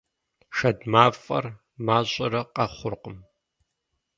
Шэд мафӀэр мащӀэрэ къэхъуркъым.